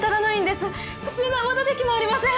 普通の泡立て器もありません。